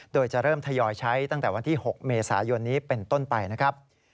โดยจะเริ่มทยอยใช้ตั้งแต่วันที่๖เมษายนนี้เป็นต้นไปนะครับ